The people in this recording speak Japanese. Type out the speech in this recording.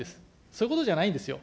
そういうことじゃないんですよ。